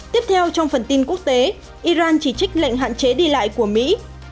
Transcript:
tiếp theo trong phần tin quốc tế iran chỉ trích lệnh hạn chế đi lại của mỹ